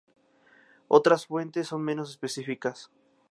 Otras fuentes son menos específicas.